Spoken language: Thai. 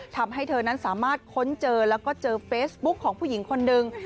ทำให้เธอนั้นสามารถค้นเจอแล้วก็เจอเฟซบุ๊คของผู้หญิงคนหนึ่ง